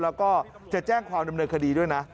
แล้วก็จะแจ้งความดำเนินคดีด้วยนะ